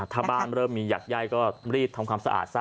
ถ้าบ้านเริ่มมีหยักย่ายก็รีบทำความสะอาดซะ